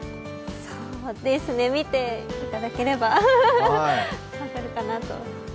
そうですね、見ていただければ分かるかなと。